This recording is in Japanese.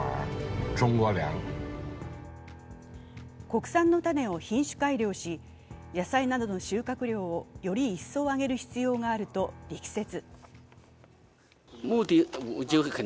国産の種を品種改良し野菜などの収穫量をより一層上げる必要があると力説。